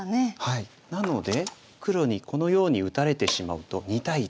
なので黒にこのように打たれてしまうと２対